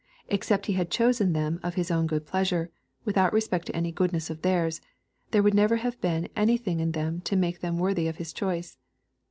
Except He had chosen them of His own good pleasure, without respect to any goodness of theirs, there would never have been anything in them to make them worthy of His choice.